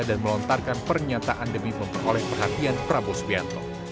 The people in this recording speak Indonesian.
dan melontarkan pernyataan demi memperoleh perhatian prabowo subianto